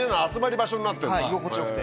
居心地よくて。